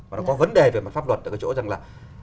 và nó có vấn đề về mặt pháp luật ở cái chỗ rằng là